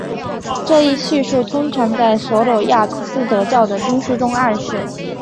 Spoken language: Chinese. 这一叙述通常在琐罗亚斯德教的经书中暗示。